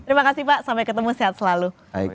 terima kasih pak sampai ketemu sehat selalu